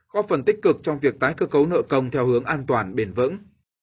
góp phần tích cực trong việc tái cơ cấu nợ công theo hướng an toàn bền vững